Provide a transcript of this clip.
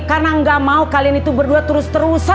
karena gak mau kalian itu berdua terus terus